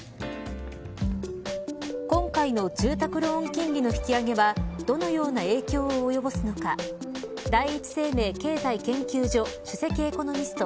今回の住宅ローン金利の引き上げはどのような影響を及ぼすのか第一生命経済研究所首席エコノミスト